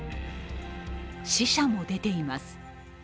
死者も出ています。